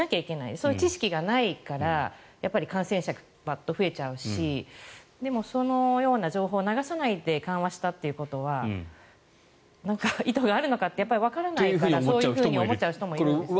そういう知識がないから感染者がバッと増えちゃうしでもそのような情報を流さないで緩和したということは意図があるのかってやっぱりわからないからそう思っちゃう人もいますね。